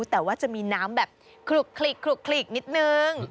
แต่ว่าจะมีน้ำแบบขลุกนิดนึง